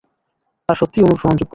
আর সত্যই অনুসরণযোগ্য।